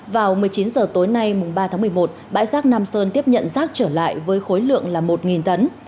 vào một mươi chín h tối nay mùng ba tháng một mươi một bãi rác nam sơn tiếp nhận rác trở lại với khối lượng là một tấn